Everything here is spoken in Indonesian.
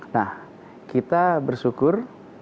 nah kita bersyukur